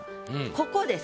ここです。